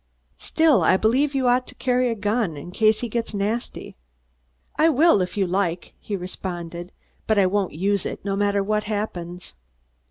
"Still, I believe you ought to carry a gun, in case he gets nasty." "I will, if you like," he responded; "but I won't use it, no matter what happens."